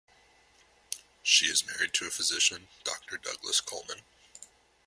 She is married to a physician, Doctor Douglas Coleman.